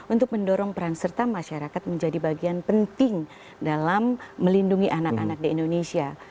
untuk mendorong peran serta masyarakat menjadi bagian penting dalam melindungi anak anak di indonesia